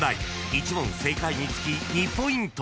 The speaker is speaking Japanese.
［１問正解につき２ポイント］